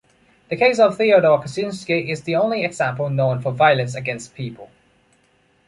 The case of Theodore Kaczynski is the only example known for violence against people.